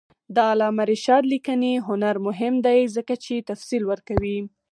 د علامه رشاد لیکنی هنر مهم دی ځکه چې تفصیل ورکوي.